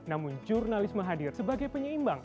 namun jurnalisme hadir sebagai penyeimbang